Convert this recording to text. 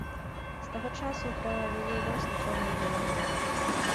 З таго часу пра яе лёс нічога не было вядома.